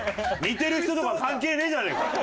似てる人とか関係ねえじゃねえか。